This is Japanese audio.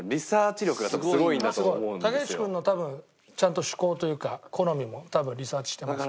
竹内君の多分ちゃんと嗜好というか好みも多分リサーチしてます。